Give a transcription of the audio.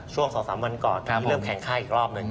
ช่วง๒๓วันก่อนที่เริ่มแข่งค่ายอีกรอบหนึ่ง